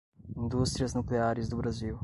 Indústrias Nucleares do Brasil